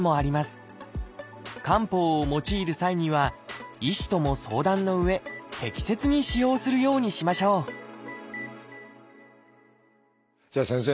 漢方を用いる際には医師とも相談のうえ適切に使用するようにしましょうじゃあ先生